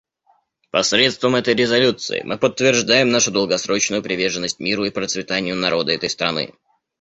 Посредством этой резолюции мы подтверждаем нашу долгосрочную приверженность миру и процветанию народа этой страны.